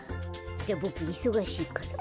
じゃあボクいそがしいから。